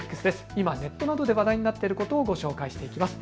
今ネットなどで話題になっていることをご紹介します。